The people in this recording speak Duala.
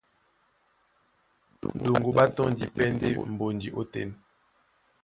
Ɗoŋgo ɓá tɔ́ndi pɛ́ ɗɛ́ mbonji ótên.